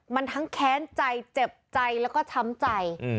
มันทั้งแค้นใจเจ็บใจแล้วก็ช้ำใจ